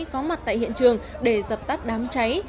có mặt tại hiện trường để dập tắt đám cháy